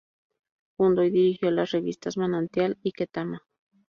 Fundó y dirigió las revistas "Manantial" y "Ketama".